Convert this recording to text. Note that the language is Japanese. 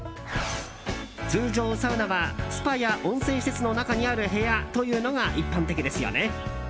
通常、サウナはスパや温泉施設の中にある部屋というのが一般的ですよね？